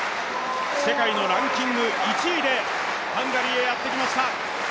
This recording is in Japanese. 今年は世界のランキング１位でハンガリーへやってきました。